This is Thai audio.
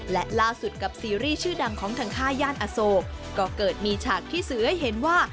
และล่าสุดกับซีรีส์ชื่อดังของทางค่าย่านอโศกก็เกิดมีฉากที่สื่อให้เห็นว่า